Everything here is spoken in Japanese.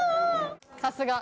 さすが。